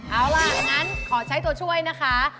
เอาล่ะงั้นขอใช้ตัวช่วยนะคะ